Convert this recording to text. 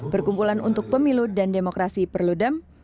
perkumpulan untuk pemilu dan demokrasi perludem